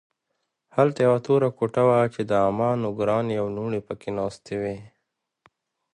هلته یوه توره کوټه وه چې د عمه نګورانې او لوڼې پکې ناستې وې